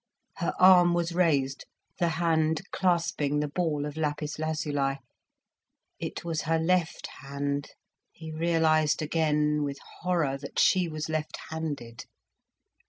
Her arm was raised, the hand clasping the ball of lapis lazuli. It was her left hand, he realised again with horror that she was left handed.